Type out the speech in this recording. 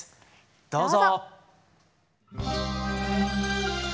どうぞ！